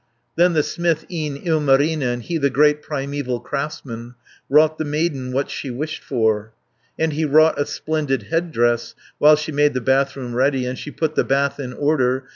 Then the smith, e'en Ilmarinen, He the great primeval craftsman, Wrought the maiden what she wished for, And he wrought a splendid head dress, While she made the bathroom ready, And she put the bath in order.